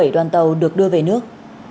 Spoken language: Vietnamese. bảy trăm một mươi bảy đoàn tàu được đưa về nước